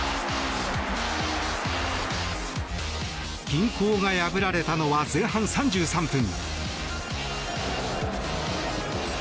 均衡が破られたのは前半３３分。